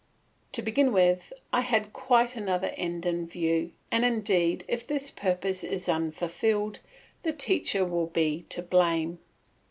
To begin with, I had quite another end in view; and indeed, if this purpose is unfulfilled, the teacher will be to blame.